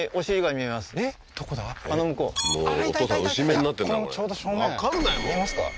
見えますか？